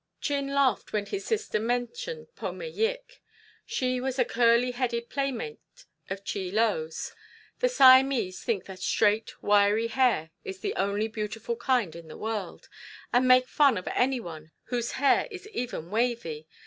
Chin laughed when his sister mentioned Pome Yik. She was a curly headed playmate of Chie Lo's. The Siamese think that straight, wiry hair is the only beautiful kind in the world, and make fun of any one whose hair is even wavy.